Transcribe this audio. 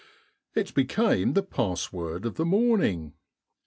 It became the password of the morning.